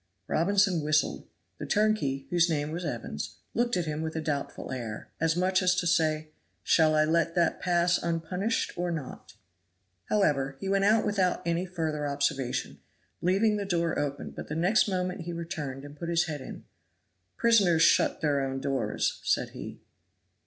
Robinson whistled. The turnkey, whose name was Evans, looked at him with a doubtful air, as much as to say, "Shall I let that pass unpunished or not?" However, he went out without any further observation, leaving the door open; but the next moment he returned and put his head in: "Prisoners shut their own doors," said he.